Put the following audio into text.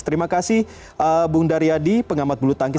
terima kasih bung daryadi pengamat bulu tangkis